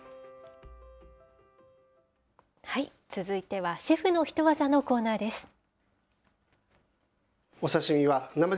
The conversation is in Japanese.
続いては、シェフのヒトワザのコーナーです。